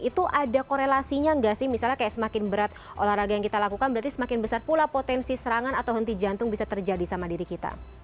itu ada korelasinya nggak sih misalnya kayak semakin berat olahraga yang kita lakukan berarti semakin besar pula potensi serangan atau henti jantung bisa terjadi sama diri kita